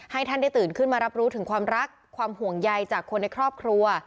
ให้ท่านได้ตื่นขึ้นมารับรู้ถึงความรักความห่วงใยจากคนในครอบครัว